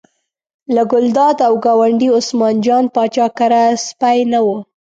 له ګلداد او ګاونډي عثمان جان پاچا کره سپی نه و.